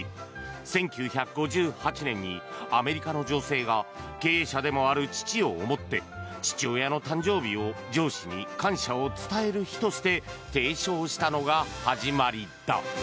１９５８年にアメリカの女性が経営者でもある父を思って父親の誕生日を上司に感謝を伝える日として提唱したのが始まりだ。